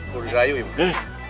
kurus rayu ibu